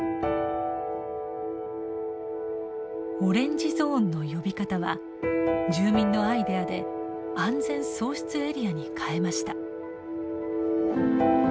オレンジゾーンの呼び方は住民のアイデアで「安全創出エリア」に変えました。